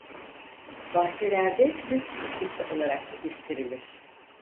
Bahçelerde süs bitkisi olarak yetiştirilir.